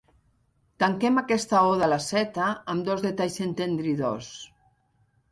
Tanquem aquesta oda a la zeta amb dos detalls entendridors.